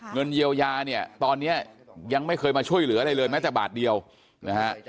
เงินเยียวยาเนี่ยตอนนี้ยังไม่เคยมาช่วยเหลืออะไรเลยแม้แต่บาทเดียวนะฮะ